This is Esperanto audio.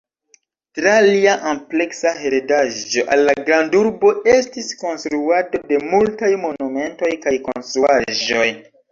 Tra lia ampleksa heredaĵo al la grandurbo estis konstruado de multaj monumentoj kaj konstruaĵoj.